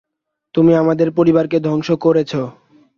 তুমি আমাদের পরিবারকে ধ্বংস করেছো।